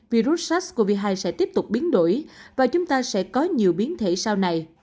virus sars cov hai sẽ tiếp tục biến đổi và chúng ta sẽ có nhiều biến thể sau này